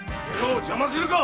邪魔するか！